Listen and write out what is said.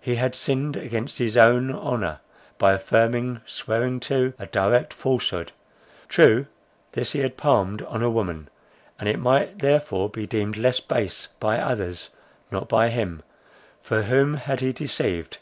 He had sinned against his own honour, by affirming, swearing to, a direct falsehood; true this he had palmed on a woman, and it might therefore be deemed less base—by others—not by him;—for whom had he deceived?